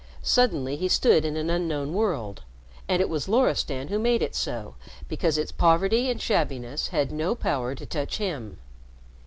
Suddenly he stood in an unknown world, and it was Loristan who made it so because its poverty and shabbiness had no power to touch him.